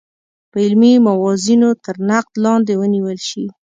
په علمي موازینو تر نقد لاندې ونیول شي.